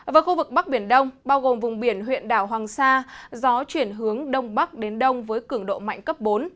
với khu vực bắc biển đông bao gồm vùng biển huyện đảo hoàng sa gió chuyển hướng đông bắc đến đông với cường độ mạnh cấp bốn